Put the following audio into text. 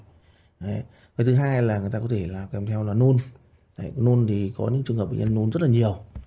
người thứ hai là người ta có thể kèm theo là nôn nôn thì có những trường hợp bệnh nhân nôn rất nhiều